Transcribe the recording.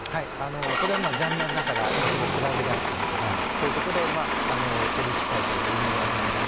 これはまあ、残念ながら、例えばクラブであったりとか、そういう所で取り引きされているというふうにいわれています。